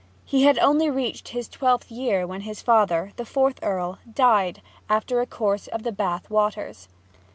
He had only reached his twelfth year when his father, the fourth Earl, died, after a course of the Bath waters.